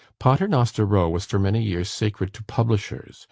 Paternoster Row was for many years sacred to publishers.